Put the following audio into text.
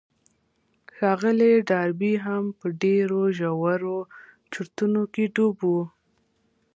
ښاغلی ډاربي هم په ډېرو ژورو چورتونو کې ډوب و.